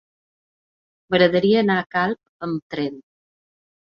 M'agradaria anar a Calp amb tren.